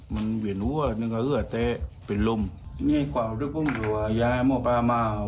ไปถุงบ้านก็ไม่ได้พ้น